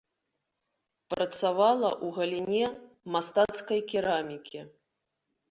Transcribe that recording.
Працавала ў галіне мастацкай керамікі.